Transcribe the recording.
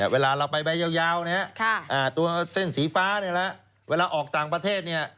เวลาเราไปใบยาวเนี่ยตัวเส้นสีฟ้าเนี่ยแหละเวลาออกต่างประเทศเนี่ย